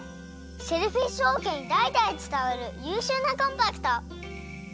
シェルフィッシュおうけにだいだいつたわるゆうしゅうなコンパクト！